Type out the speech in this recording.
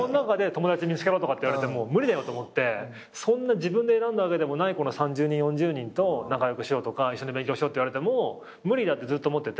自分で選んだわけでもない３０人４０人と仲良くしろとか一緒に勉強しろって言われても無理だってずっと思ってて。